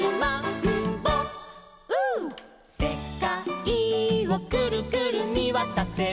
「せかいをくるくるみわたせば」